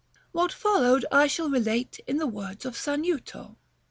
What followed, I shall relate in the words of Sanuto.